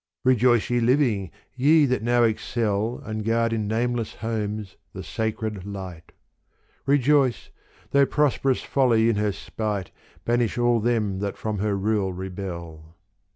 Rejoice ye living ye that now excel And guard in nameless homes the sacred light : Rejoice, though prosperous folly in her spite Banish all them that from her rule rebel.